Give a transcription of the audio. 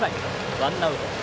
ワンアウト。